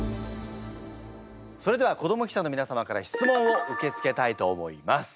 それでは子ども記者の皆様から質問を受け付けたいと思います。